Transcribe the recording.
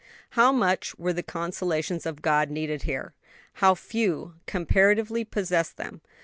How much were the consolations of God needed here! how few, comparatively, possessed them.